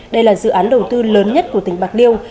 đây là dự án đầu tư lớn nhất của tỉnh bạc liêu